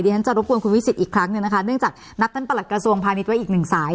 ฉันจะรบกวนคุณวิสิทธิอีกครั้งหนึ่งนะคะเนื่องจากนัดท่านประหลัดกระทรวงพาณิชย์ไว้อีกหนึ่งสาย